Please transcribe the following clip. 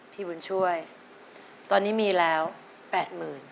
พี่บุญช่วยตอนนี้มีแล้วแปดหมื่น